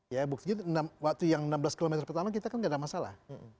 ya buktinya waktu yang enam belas km pertama kita kan tidak ada masalah